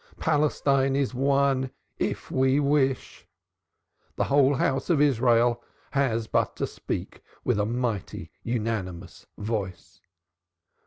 Palestine is one if we wish the whole house of Israel has but to speak with a mighty unanimous voice.